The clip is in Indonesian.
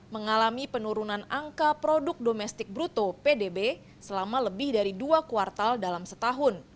mengalami penurunan angka produk domestik bruto pdb selama lebih dari dua kuartal dalam setahun